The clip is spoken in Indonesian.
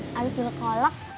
harus beli kolak